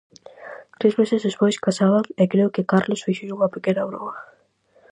Tres meses despois casaban e creo que Carlos fíxolle unha pequena broma?